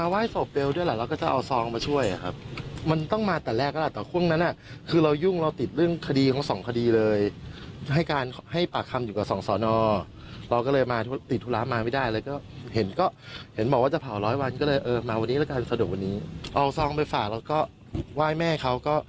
เราก็บอกว่าไอ้เบลนะครับแทนเองเสียใจเต้นเดินเต้น